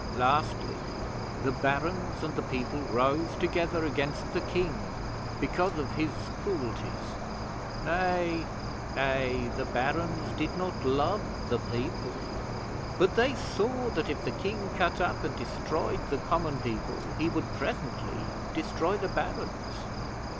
Lastly the Barons and the people rose together against the King because of his cruelties. Nay nay the Barons did not love the people, but they saw that if the King cut up and destroyed the common people, he would presently destroy the Barons.